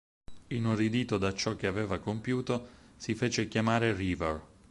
Inorridito da ciò che aveva compiuto si fece chiamare Reaver.